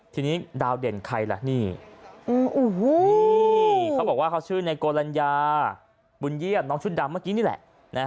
ทีนี้ดาวเด่นใครล่ะนี่เขาบอกว่าเขาชื่อในโกลัญญาบุญเยี่ยมน้องชุดดำเมื่อกี้นี่แหละ